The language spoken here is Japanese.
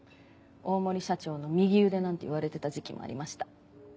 大森社長の右腕なんて言われてた時期もありました。